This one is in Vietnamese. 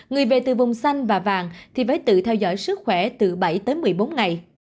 người về từ vùng xanh và vàng thì phải tự theo dõi sức khỏe từ bảy tới một mươi bốn ngày